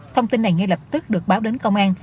thông tin này ngay lập tức được báo đến công an